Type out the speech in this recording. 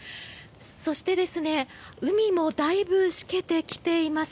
そして海もだいぶしけてきています。